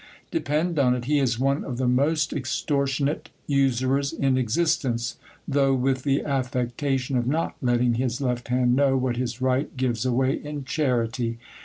Depend on it, he is one of the most extortionate usurers in existence, though with the affectation of not letting his left hand know what his right gives away in charity.